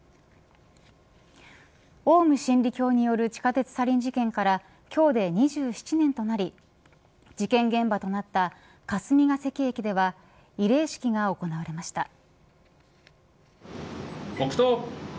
オウム真理教による地下鉄サリン事件から今日で２７年となり事件現場となった霞ケ関駅では慰霊式が行われました。